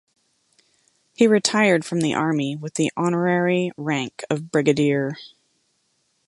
He retired from the army with the honorary rank of Brigadier.